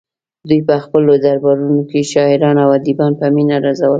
دوی په خپلو دربارونو کې شاعران او ادیبان په مینه روزل